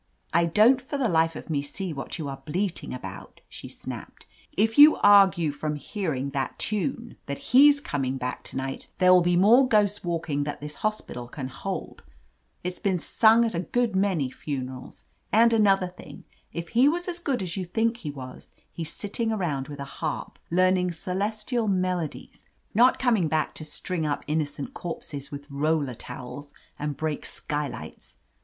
"I don't for the life of me see what you are bleating about," she snapped. "If you argue from hearing that tune that he's coming back to night, there will be more ghosts walking that this hospital can hold. It's been sung at a good many funerals. And another thing, if he was as good as you think he was, he's sit ting around with a harp, learning celestial mel odies, not coming back to string up innocent corpses with roller towels, and break sky lights.